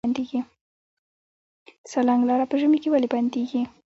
د سالنګ لاره په ژمي کې ولې بندیږي؟